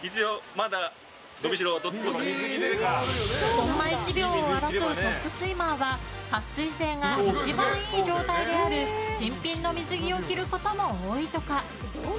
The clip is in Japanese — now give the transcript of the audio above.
コンマ１秒を争うトップスイマーは撥水性が一番いい状態である新品の水着を着ることも多いとか。